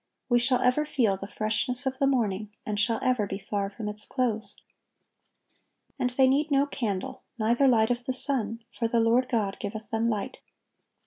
We shall ever feel the freshness of the morning, and shall ever be far from its close. "And they need no candle, neither light of the sun; for the Lord God giveth them light."